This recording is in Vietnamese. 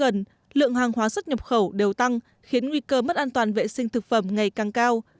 trong năm hai nghìn một mươi bảy lượng hàng hóa sức nhập khẩu đều tăng khiến nguy cơ mất an toàn vệ sinh thực phẩm ngày càng cao